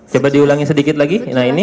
coba diulangi sedikit lagi